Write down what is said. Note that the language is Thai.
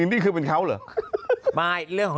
ก็มีเมียแล้วค่ะ